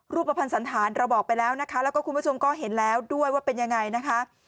ประพันธ์สันธารเราบอกไปแล้วนะคะแล้วก็คุณผู้ชมก็เห็นแล้วด้วยว่าเป็นยังไงนะคะ